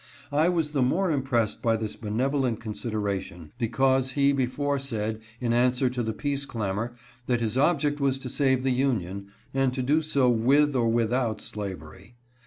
I was the more impressed by this benevolent consideration because he before said, in answer to the peace clamor, that his object was to save the Union, and to do so with or without slav ery.